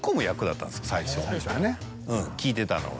最初聞いてたのは。